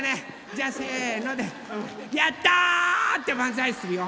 じゃあせので「やった！」ってばんざいするよ。